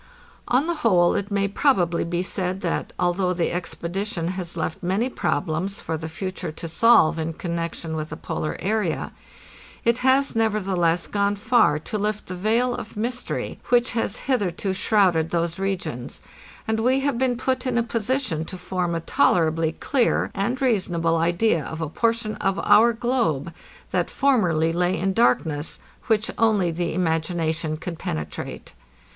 On the whole, it may probably be said that, although the expedition has left many problems for the future to solve in connection with the polar area, it has, nevertheless, gone far to lift the veil of mystery which has hitherto shrouded those regions, and we have been put in a position to form a tolerably clear and reasonable idea of a portion of our globe that formerly lay in darkness, which only the imagination could penetrate.